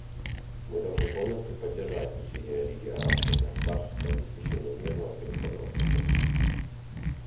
Мы должны полностью поддержать усилия Лиги арабских государств для обеспечения мирного переходного процесса.